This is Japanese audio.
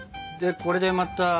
これでまた。